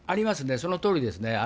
そのとおりですね。